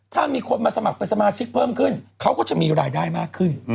ถ้ามีคนมาสมัครเป็นสมาชิกเพิ่มขึ้นเขาก็จะมีรายได้มากขึ้น